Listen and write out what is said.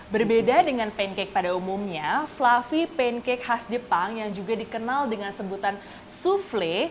berbeda dengan pancake pada umumnya fluffy pancake khas jepang yang juga dikenal dengan sebutan souffle